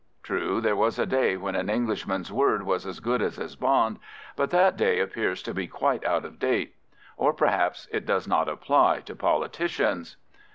True, there was a day when an Englishman's word was as good as his bond, but that day appears to be quite out of date. Or perhaps it does not apply to politicians!